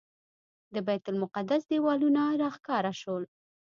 د بیت المقدس دیوالونه راښکاره شول.